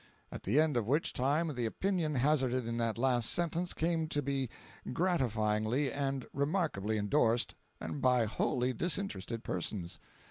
At the end of which time the opinion hazarded in that last sentence came to be gratifyingly and remarkably endorsed, and by wholly disinterested persons.